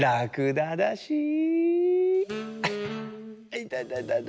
いたたたた。